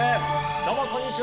どうもこんにちは。